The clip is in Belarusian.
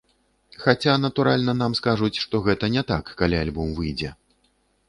Хаця, натуральна, нам скажуць, што гэта не так, калі альбом выйдзе.